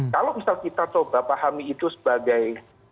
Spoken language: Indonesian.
kalau misal kita coba pahami itu sebagai